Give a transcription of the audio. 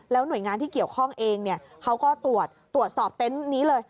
หน่วยงานที่เกี่ยวข้องเองเขาก็ตรวจสอบเต็นต์นี้เลย